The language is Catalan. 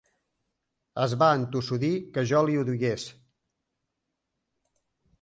Es va entossudir que jo li ho digués.